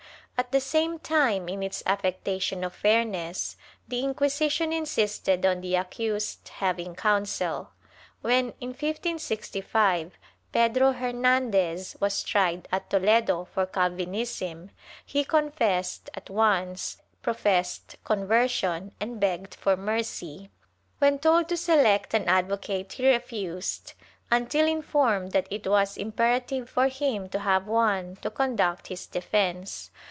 ^ At the same time, in its affectation of fairness, the Inquisition insisted on the accused having counsel. When, in 1565, Pedro Hernandez was tried at Toledo for Calvinism, he confessed at once, professed conversion and begged for mercy. When told to select an advocate he refused, until informed that it was impera tive for him to have one to conduct his defence.